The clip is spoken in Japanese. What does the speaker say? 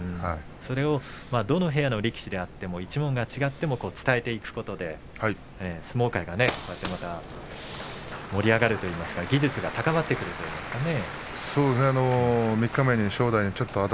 それがどの部屋の力士であっても一門が違っても伝えていくことで相撲界が盛り上がるといいますか技術が高まっていきますからね。